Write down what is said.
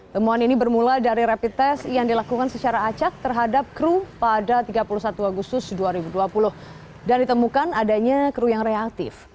temuan ini bermula dari rapid test yang dilakukan secara acak terhadap kru pada tiga puluh satu agustus dua ribu dua puluh dan ditemukan adanya kru yang reaktif